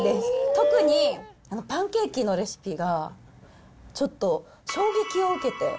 特にパンケーキのレシピが、ちょっと衝撃を受けて。